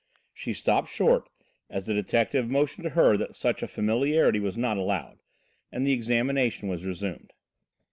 She stopped short as the detective motioned to her that such a familiarity was not allowable, and the examination was resumed.